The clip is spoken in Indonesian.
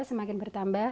humum akan jadi